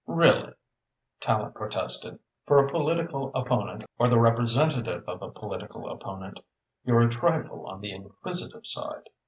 "Really," Tallente protested, "for a political opponent, or the representative of a political opponent, you're a trifle on the inquisitive side."